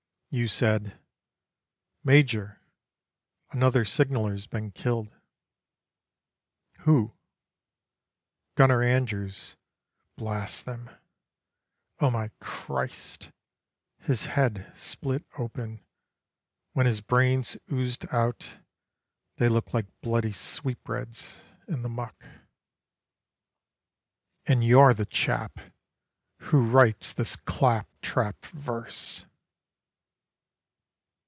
You said: "Major, another signaller's been killed." "Who?" "Gunner Andrews, blast them. O my Christ! His head split open when his brains oozed out, They looked like bloody sweetbreads, in the muck." And you're the chap who writes this claptrap verse!